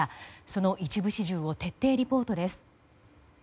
その一部始終を徹底リポートです。